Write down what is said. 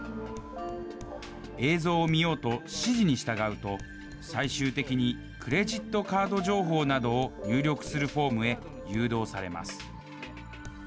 映像を見ようと指示に従うと、最終的にクレジットカード情報などを入力するフォームへ誘導されます。